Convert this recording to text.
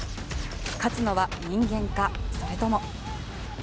勝のは人間か、それとも。